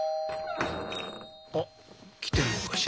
あ来てるのかしら。